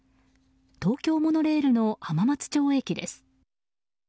東京モノレールの浜松町駅です。